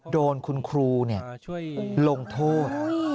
โดนคุณครูลงโทษ